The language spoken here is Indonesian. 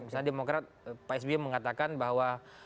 misalnya demokrat pak sby mengatakan bahwa